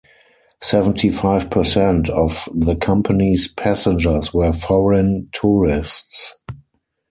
Seventy-five percent of the company's passengers were foreign tourists.